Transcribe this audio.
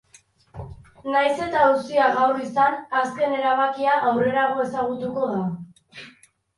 Nahiz eta auzia gaur izan, azken erabakia aurrerago ezagutuko da.